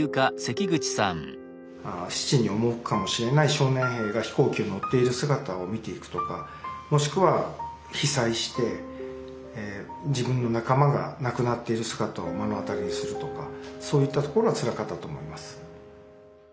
死地に赴くかもしれない少年兵が飛行機を乗っている姿を見ていくとかもしくは被災して自分の仲間が亡くなっている姿を目の当たりにするとかそういったところはつらかったと思います。